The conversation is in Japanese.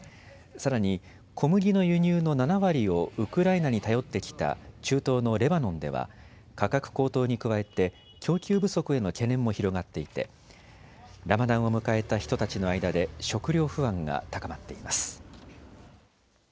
さらに小麦の輸入の７割をウクライナに頼ってきた中東のレバノンでは価格高騰に加えて供給不足への懸念も広がっていてラマダンを迎えた人たちの間で食料不安が高まっています。